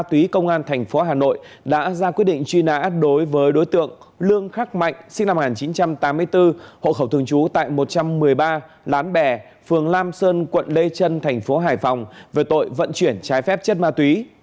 công an thành phố hà nội đã ra quyết định truy nã đối với đối tượng lương khắc mạnh sinh năm một nghìn chín trăm tám mươi bốn hộ khẩu thường trú tại một trăm một mươi ba lán bè phường lam sơn quận lê trân thành phố hải phòng về tội vận chuyển trái phép chất ma túy